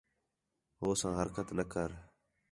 ہو ساں حرکت نہ کر